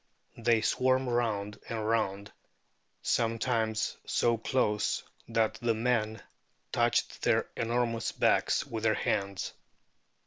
They swam round and round, sometimes so close that the men touched their enormous backs with their hands."